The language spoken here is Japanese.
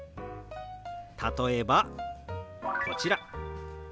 例えばこちら。